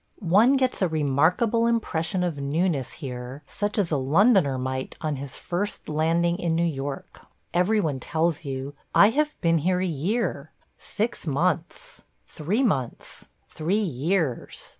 One gets a remarkable impression of newness here such as a Londoner might on his first landing in New York. Every one tells you, "I have been here a year – six months – three months – three years."